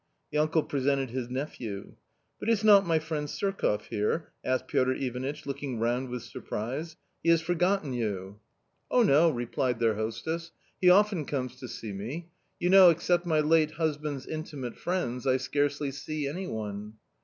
The uncle presented his nephew, " But is not my friend SurkofF here ?" asked Piotr Ivan itch, looking round with surprise; "he has forgotten you." A COMMON STORY 173 " Oh, no !" replied their hostess ;" he often comes to see me. You know, except my late husband's intimate friends, I scarcely see any one."